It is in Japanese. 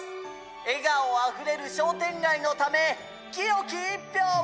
えがおあふれるしょうてんがいのためきよきいっぴょうを！」。